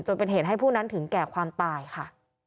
จนเป็นเหตุให้ผู้นั้นถึงแก่ความตายค่ะ